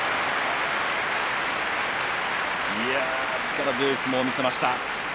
力強い相撲を見せました。